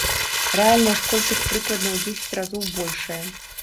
Рэальная ж колькасць прыкладна ў дзесяць разоў большая.